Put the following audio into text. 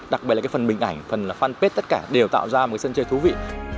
đặc biệt là cái phần bình ảnh phần là fanpage tất cả đều tạo ra một sân chơi thú vị